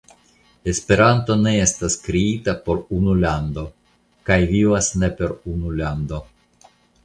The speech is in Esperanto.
Esperanto ne estas kreita por unu lando kaj vivas ne per unu lando.